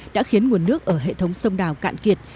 đã khiến nguồn nước ở hệ thống sông đào cạn kiệt